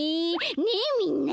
ねえみんな。